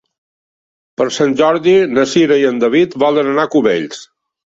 Per Sant Jordi na Cira i en David volen anar a Cubells.